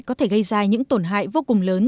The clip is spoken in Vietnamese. có thể gây ra những tổn hại vô cùng lớn